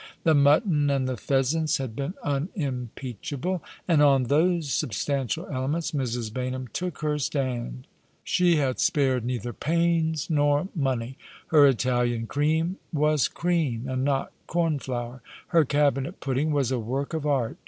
The mutton and the pheasants had been unimpeachable ; and on those substantial elements Mrs. Baynham took her stand. She had spared neither pains nor money. Her Italian cream was cream, and not corn flour. Her cabinet pudding was a vrork of art.